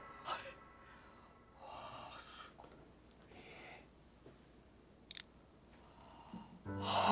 ああ！